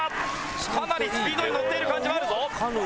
かなりスピードにのっている感じはあるぞ。